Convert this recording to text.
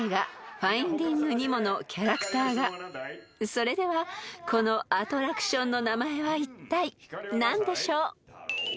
［それではこのアトラクションの名前はいったい何でしょう？］